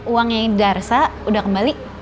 uangnya yang didarsa udah kembali